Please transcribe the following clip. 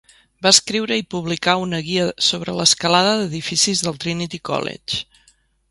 Va escriure i publicar una guia sobre l'escalada d'edificis del Trinity College.